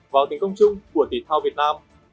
vào tính công chung của thể thao việt nam